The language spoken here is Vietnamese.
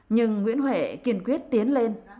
nhưng nguyễn huệ kiên quyết tiến lên